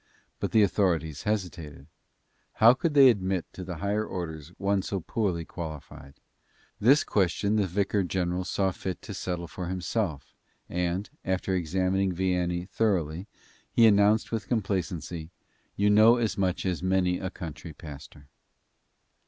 But the authorities hesitated. How could they admit to the higher orders one so poorly qualified? This question the vicar general saw fit to settle for himself, and, after examining Vianney thoroughly, he announced with complacency: "You know as much as many a country pastor."